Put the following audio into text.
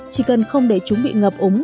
chỉ cần không để chúng bị ngập ống